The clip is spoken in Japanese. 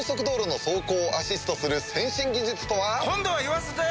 今度は言わせて！